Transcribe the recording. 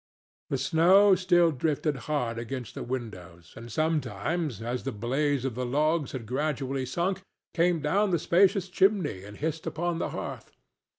The snow still drifted hard against the windows, and sometimes, as the blaze of the logs had gradually sunk, came down the spacious chimney and hissed upon the hearth.